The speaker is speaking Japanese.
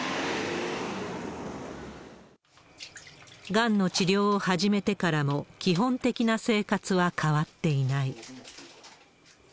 がんの治療を始めてからも、基本的な生活は変わっていない。